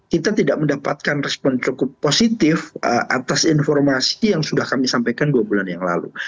kita tidak mendapatkan respon cukup positif atas informasi yang sudah kami sampaikan dua bulan yang lalu